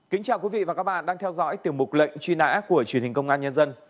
kính chào quý vị và các bạn đang theo dõi tiểu mục lệnh truy nã của truyền hình công an nhân dân